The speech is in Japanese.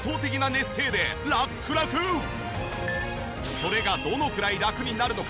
それがどのくらいラクになるのか